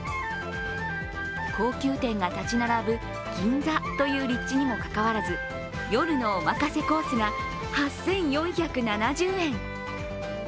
高級店が建ち並ぶ銀座という立地にもかかわらず、夜のおまかせコースが８４７０円。